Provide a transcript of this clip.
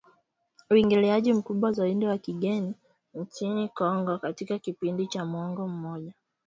uingiliaji mkubwa zaidi wa kigeni nchini Kongo katika kipindi cha muongo mmoja